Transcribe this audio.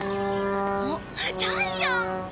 あっジャイアン！